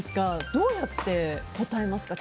どうやって答えますか？